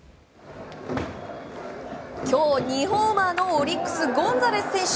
今日２ホーマーのオリックス、ゴンザレス選手。